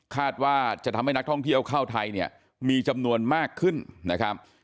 คาดว่าจะทำให้นักท่องเที่ยวเข้าไทยเนี่ยมีจำนวนมากขึ้นนะครับ